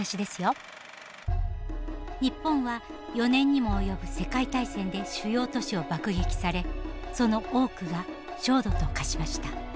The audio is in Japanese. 日本は４年にも及ぶ世界大戦で主要都市を爆撃されその多くが焦土と化しました。